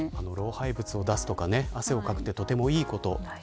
老廃物を出すとか汗をかくって、とてもいいこと。